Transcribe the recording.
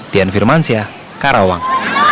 dian firmansyah karawang